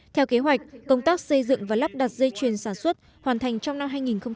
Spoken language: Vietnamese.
theo kế hoạch công tác xây dựng và lắp đặt dây chuyển sản xuất hoàn thành trong năm hai nghìn một mươi tám